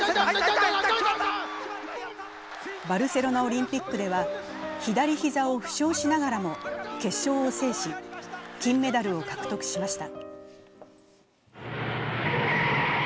バルセロナオリンピックでは左膝を負傷しながらも決勝を制し、金メダルを獲得しました。